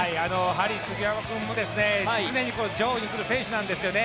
ハリー杉山君も常に上位にくる選手なんですよね。